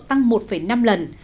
tăng một năm lần